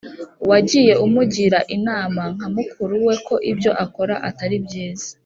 Wagiye umugira inama nka mukuru we ko ibyo akora Atari byiza